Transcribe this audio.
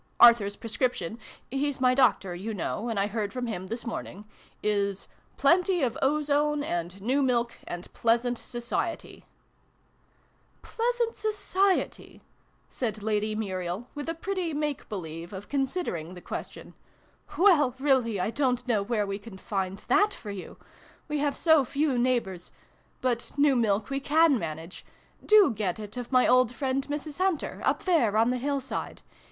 Arthur's prescription he's my doctor, you know, and I heard from him this morn ing is ' plenty of ozone, and new milk, and pleasant society :!"" Pleasant society ?" said Lady Muriel, with a pretty make believe of considering the question. " Well, really I don't know where we can find that for you ! We have so few neighbours. But new milk we can manage. Do get it of my old friend Mrs. Hunter, up there, on the hill side.